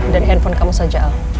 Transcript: dan handphone kamu saja